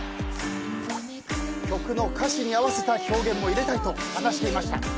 曲の歌詞に合わせた表現も入れたいと話していました。